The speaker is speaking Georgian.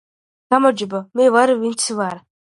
გამარჯობა , მე ვარ ვინც ვარ .